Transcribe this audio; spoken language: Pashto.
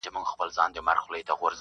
که دي قسمته ازلي وعده پښېمانه سوله!.